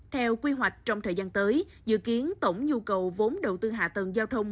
theo quy hoạch trong thời gian tới dự kiến tổng nhu cầu vốn đầu tư hạ tầng giao thông